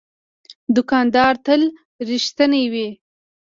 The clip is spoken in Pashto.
دوکاندار تل رښتینی وي.